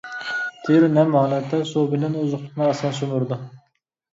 تېرە نەم ھالەتتە سۇ بىلەن ئوزۇقلۇقنى ئاسان سۈمۈرىدۇ.